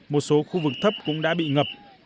một số khu vực thấp cũng đã bị ngập